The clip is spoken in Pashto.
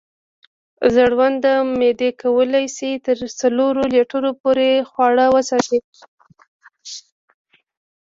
زړوند معدې کولی شي تر څلورو لیټرو پورې خواړه وساتي.